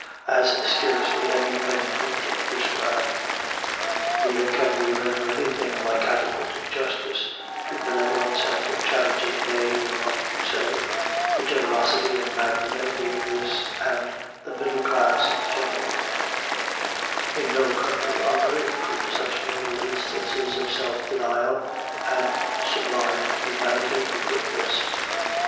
as scarcely any pen could describe. Neither can we render anything like adequate justice to the benevolence and charity nay, we ought to say, the generosity and magnanimity of this and the middle classes in general, In no country on earth could such noble instances of self denial and sublime humanity be witnessed.